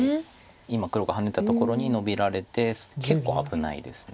今黒がハネたところにノビられて結構危ないです。